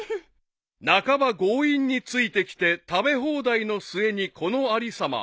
［半ば強引についてきて食べ放題の末にこのありさま］